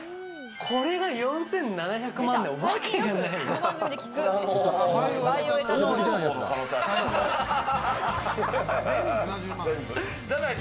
これが４７００万のわけがない！